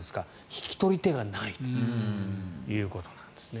引き取り手がいないということなんですね。